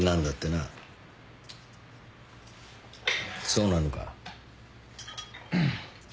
そうなのか？